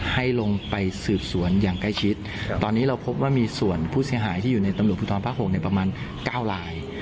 ให้ลงไปสืบสวนอย่างใกล้ชิดตอนนี้เราพบว่ามีส่วนผู้เสียหายที่อยู่ในตำรวจภูทรภาค๖ประมาณ๙ลาย